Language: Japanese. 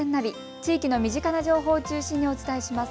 地域の身近な情報を中心にお伝えします。